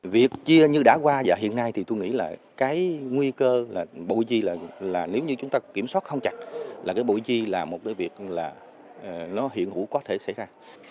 việc chia như đã qua và hiện nay thì tôi nghĩ là cái nguy cơ là bộ chi là nếu như chúng ta kiểm soát không chặt là cái bộ chi là một cái việc là nó hiện hữu có thể xảy ra